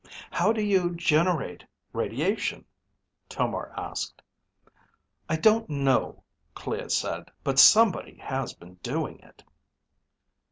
"How do you generate radiation?" Tomar asked. "I don't know," Clea said. "But somebody has been doing it."